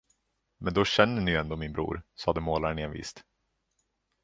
Men då känner ni ju ändå min bror, sade målaren envist.